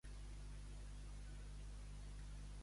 Què no complirà l'estat espanyol?